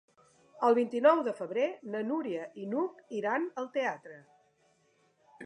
El vint-i-nou de febrer na Núria i n'Hug iran al teatre.